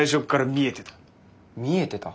見えてた？